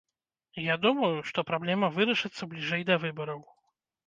Я думаю, што праблема вырашыцца бліжэй да выбараў.